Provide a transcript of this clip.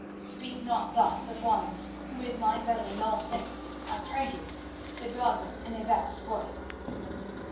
'" "Speak not thus of one who is my better in all things, I pray you," said Godwin in a vexed voice.